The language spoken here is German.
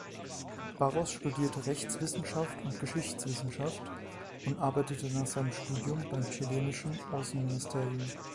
Barros studierte Rechtswissenschaft und Geschichtswissenschaft und arbeitete nach seinem Studium beim chilenischen Außenministerium.